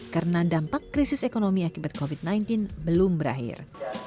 karena dampak krisis ekonomi akibat covid sembilan belas belum berakhir